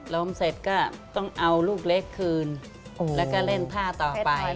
ล้มเสร็จก็ต้องเอาลูกเล็กคืนแล้วก็เล่นท่าต่อไป